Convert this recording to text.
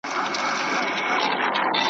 له نیکه نکل هېر سوی افسانه هغسي نه ده ,